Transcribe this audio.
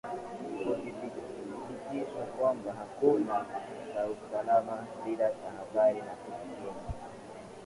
Uthibitisho kwamba hakuna usalama bila tahadhari na kujikinga